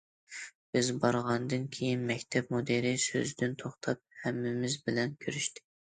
بىز بارغاندىن كىيىن مەكتەپ مۇدىرى سۆزدىن توختاپ ھەممىمىز بىلەن كۆرۈشتى.